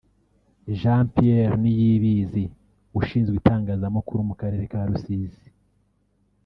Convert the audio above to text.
Jean Pierre Niyibizi/Ushinzwe Itangazamakuru mu Karere ka Rusizi